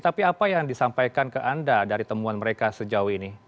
tapi apa yang disampaikan ke anda dari temuan mereka sejauh ini